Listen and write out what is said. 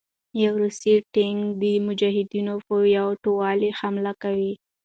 يو روسي ټېنک د مجاهدينو په يو ټولې حمله کوي